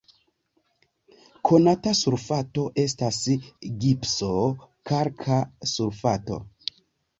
Konata sulfato estas gipso, kalka sulfato.